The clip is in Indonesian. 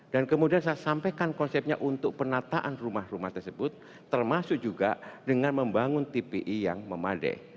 dan kemudian saya sampaikan konsepnya untuk penataan rumah rumah tersebut termasuk juga dengan membangun tpi yang memadai